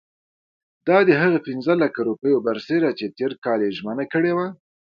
دا د هغه پنځه لکه روپیو برسېره چې تېر کال یې ژمنه کړې وه.